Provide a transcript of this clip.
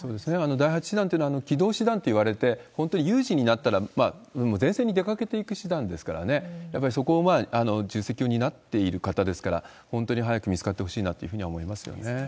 第８師団というのは、機動師団っていわれて、本当に有事になったら前線に出かけていく師団ですからね、やっぱりそこを重責を担っている方ですから、本当に早く見つかってほしいなというふうには思いますよね。